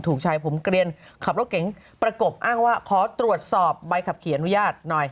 ถูกชายผมเกลียนขับรถเก๋งประกบอ้างว่าขอตรวจสอบใบขับขี่อนุญาตหน่อย